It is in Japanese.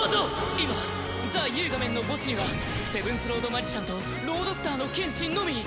今ザ・ユーガメンの墓地にはセブンスロード・マジシャンとロードスターの剣士のみ。